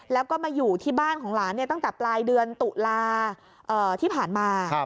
แล้วก็มาอยู่ที่บ้านของหลานตั้งแต่ปลายเดือนตุลาที่ผ่านมา